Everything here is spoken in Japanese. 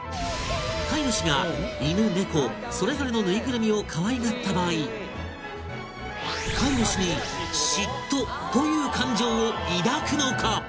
飼い主が犬猫それぞれのぬいぐるみをかわいがった場合飼い主に嫉妬あっジェラシーってことという感情を抱くのか？